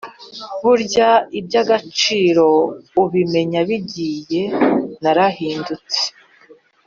burya iby’agaciro ubimenya bigiye narahindutse